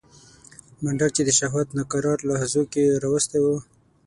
منډک چې د شهوت ناکرار لحظو کې راوستی و.